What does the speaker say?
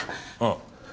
ああ。